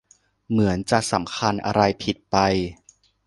เหมือนจะสำคัญอะไรผิดไป